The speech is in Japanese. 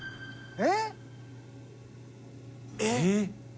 えっ？